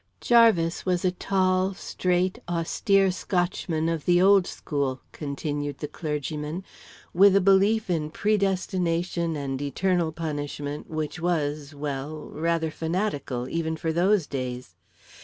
"Jarvis was a tall, straight, austere Scotchman of the old school," continued the clergyman, "with a belief in predestination and eternal punishment, which was well rather fanatical, even for those days.